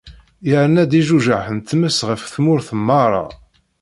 Yerna-d ijujaḥ n tmes ɣef tmurt merra.